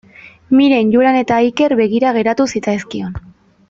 Miren, Julen eta Iker begira geratu zitzaizkion.